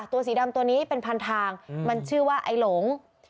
สีดำตัวนี้เป็นพันทางมันชื่อว่าไอ้หลง